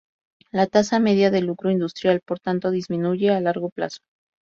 La tasa media de lucro industrial, por tanto, disminuye a largo plazo.